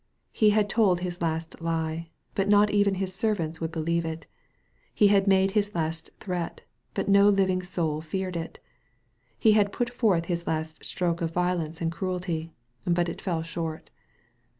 He had told his last lie, but not even his servants would believe it. He had made his last threat, but no living soul feared it. He had put forth his last stroke of violence and cruelty, but it fell short.